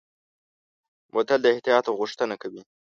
بوتل د احتیاط غوښتنه کوي.